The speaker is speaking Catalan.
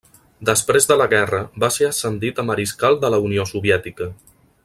Després de la guerra va ser ascendit a Mariscal de la Unió Soviètica.